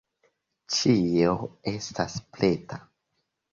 Ĉio estas preta.